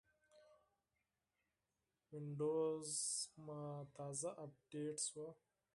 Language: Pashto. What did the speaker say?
وینډوز مې تازه اپډیټ شو.